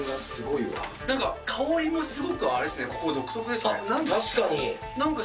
なんか香りもすごくあれですね、ここ、なんか。